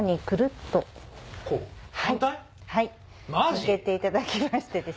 開けていただきまして。